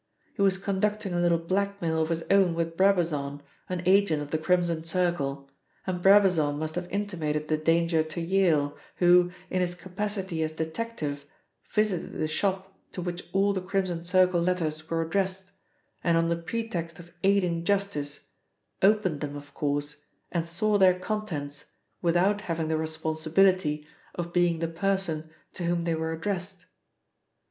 He was conducting a little blackmail of his own with Brabazon, an agent of the Crimson Circle, and Brabazon must have intimated the danger to Yale who, in his capacity as detective, visited the shop to which all the Crimson Circle letters were addressed, and on the pretext of aiding justice opened them of course and saw their contents, without having the responsibility of being the person to whom they were addressed.